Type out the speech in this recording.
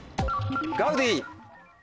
「ガウディ」。